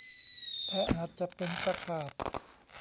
แต่อาจจะเป็นตะขาบ